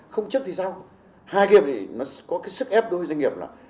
không chức thì sao hai game thì nó có cái sức ép đối với doanh nghiệp là